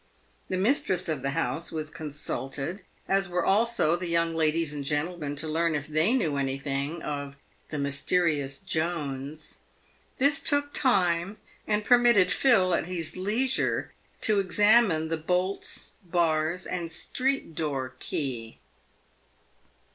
The mistress of the house was consulted, as were also the young ladies and gentlemen, to learn if they knew anything of the mysterious Jones. This took time, and permitted Phil, at his leisure, to examine the bolts, bars, and street door key.